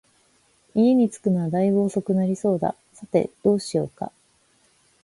家に着くのは大分遅くなりそうだ、さて、どうしようか